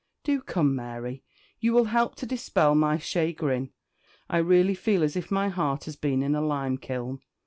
Do come, Mary, you will help to dispel my chagrin. I really feel as if my heart had been in a limekiln.